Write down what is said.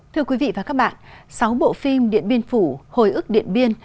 thưa quý vị và các bạn sáu bộ phim điện biên phủ hồi ức điện biên